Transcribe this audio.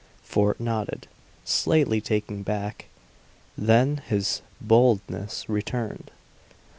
Fort nodded, slightly taken back. Then his boldness returned.